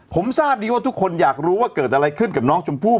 ผมทราบดีว่าทุกคนอยากรู้ว่าเกิดอะไรขึ้นกับน้องชมพู่